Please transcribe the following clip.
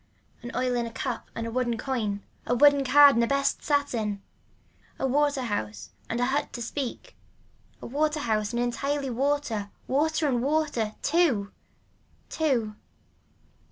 An oil in a cup and a woolen coin, a woolen card and a best satin. A water house and a hut to speak, a water house and entirely water, water and water. TWO. Two.